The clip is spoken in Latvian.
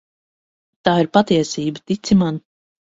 Tā ir patiesība, tici man.